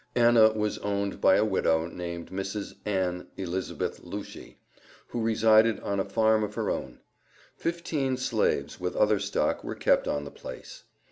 Anna was owned by a widow, named Mrs. Ann Elizabeth Lushy, who resided on a farm of her own. Fifteen slaves, with other stock, were kept on the place.